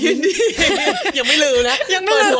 ยินดียังไม่ลืมนะยังไม่ลืม